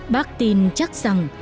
bác tin chắc rằng